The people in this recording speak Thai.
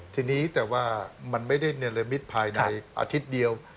ทีนี้แต่ว่ามันไม่ได้เนรมิตภายในอาทิตย์เดียว